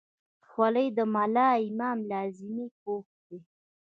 خولۍ د ملا امام لازمي پوښ دی.